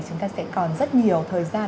chúng ta sẽ còn rất nhiều thời gian